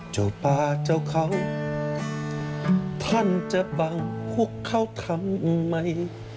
เจ้าป่าเจ้าเขาท่านจะบังพวกเขาทำไม